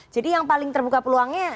jadi yang paling terbuka peluangnya